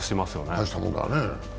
大したもんだね。